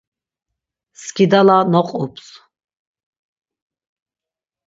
Skidala noqups.